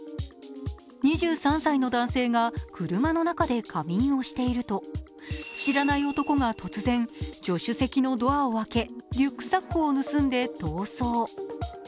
２３歳の男性が、車の中で仮眠をしていると、知らない男が突然、助手席のドアを開けリュックサックを盗んで逃走。